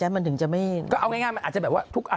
มันถึงจะไม่ก็เอาง่ายมันอาจจะแบบว่าทุกอัน